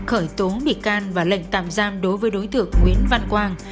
khởi tố bị can và lệnh tạm giam đối với đối tượng nguyễn văn quang